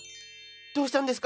どうしたんですか？